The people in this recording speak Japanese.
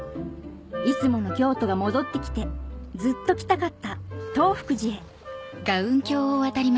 いつもの京都が戻ってきてずっと来たかった東福寺へうわ。